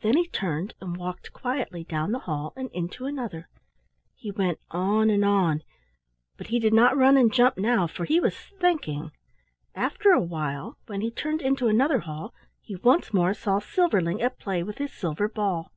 Then he turned and walked quietly down the hall and into another. He went on and on, but he did not run and jump now, for he was thinking. After a while, when he turned into another hall he once more saw Silverling at play with his silver ball.